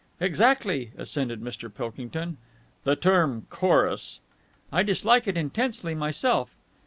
"Exactly," assented Mr. Pilkington. "The term 'chorus'...." "I dislike it intensely myself."